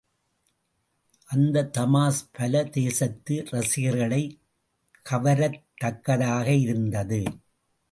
அந்தத் தமாஷ் பல தேசத்து ரசிகர்களைக் கவரத்தக்கதாக இருந்தது.